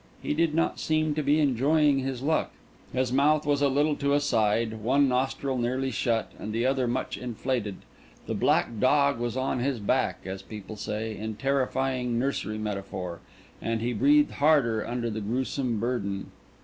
He did not seem to be enjoying his luck. His mouth was a little to a side; one nostril nearly shut, and the other much inflated. The black dog was on his back, as people say, in terrifying nursery metaphor; and he breathed hard under the gruesome burden.